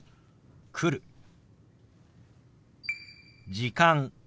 「時間」。